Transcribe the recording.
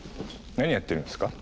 何やってるんすか？